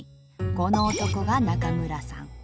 この男が中村さん。